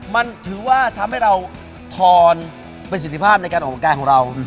มันถือว่าทำให้เราทอนเป็นสิทธิภาพในการออกกำลังกายของเรา